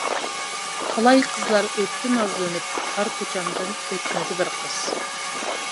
تالاي قىزلار ئۆتتى نازلىنىپ، تار كوچامدىن ئۆتمىدى بىر قىز.